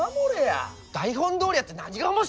台本どおりやって何が面白いんだよ！